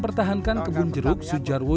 ketika kebun jeruk di banyuwangi selatan